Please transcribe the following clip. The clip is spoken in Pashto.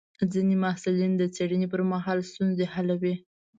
ځینې محصلین د څېړنې پر مهال ستونزې حلوي.